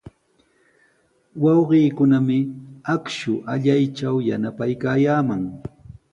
Wawqiikunami akshu allaytraw yanapaykaayaaman.